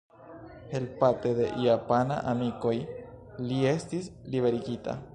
Helpate de japanaj amikoj, li estis liberigita.